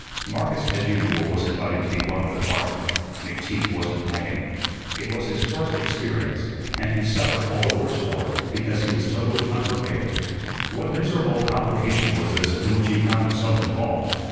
Marcus, as usual, was invited to be one of the party. McTeague was in agony. It was his first experience, and he suffered all the worse for it because he was totally unprepared. What miserable complication was this in which he found himself involved?